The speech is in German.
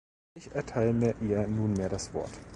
Ich erteile ihr nunmehr das Wort.